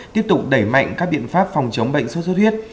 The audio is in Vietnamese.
tiếp tục đẩy mạnh các biện pháp phòng chống bệnh suốt suốt huyết